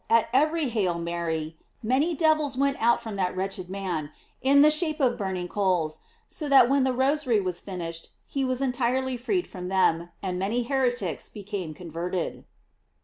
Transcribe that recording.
at every "Hail Mary," many devils went out from that wretched man, in the shape of burning coals, so that when the Rosary was finished, he was entirely freed from them, and many heretics became converted.